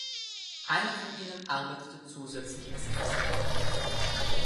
Einer von ihnen arbeitete zusätzlich als Gastwirt.